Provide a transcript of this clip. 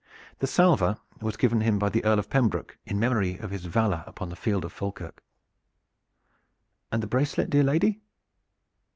The salver was given him by the Earl of Pembroke in memory of his valor upon the field of Falkirk." "And the bracelet, dear lady?"